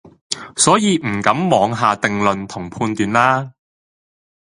所以唔敢妄下定論同判斷啦